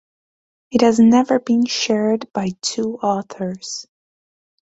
It has never been shared by two authors.